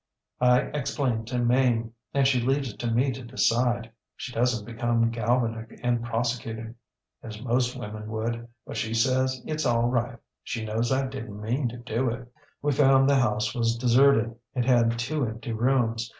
I explained to Mame, and she leaves it to me to decide. She doesnŌĆÖt become galvanic and prosecuting, as most women would, but she says itŌĆÖs all right; she knows I didnŌĆÖt mean to do it. ŌĆ£We found the house was deserted. It had two empty rooms.